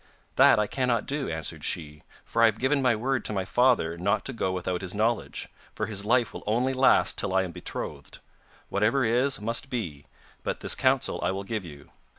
'That I cannot do,' answered she, 'for I have given my word to my father not to go without his knowledge, for his life will only last till I am betrothed. Whatever is, must be, but this counsel I will give you.